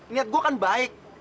niat gua kan baik